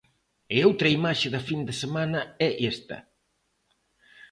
E outra imaxe da fin de semana é esta.